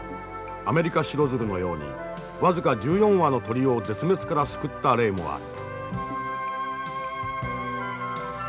アメリカシロヅルのように僅か１４羽の鳥を絶滅から救った例もある。